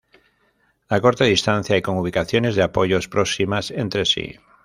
a corta distancia y con ubicaciones de apoyos próximas entre sí